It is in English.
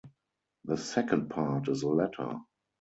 The second part is a letter.